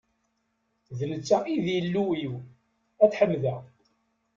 D netta i d Illu-iw, ad t-ḥemdeɣ.